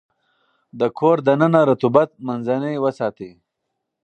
د کور دننه رطوبت منځنی وساتئ.